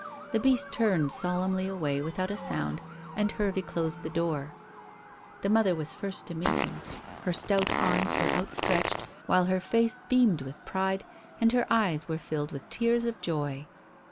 The beast turned solemnly away without a sound, and Hervey closed the door. The mother was the first to meet him. Her stout arms were outstretched, while her face beamed with pride, and her eyes were filled with tears of joy.